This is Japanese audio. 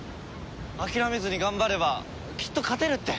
諦めずに頑張ればきっと勝てるって！